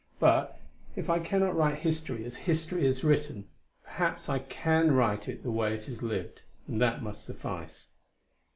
But, if I cannot write history as history is written, perhaps I can write it the way it is lived, and that must suffice.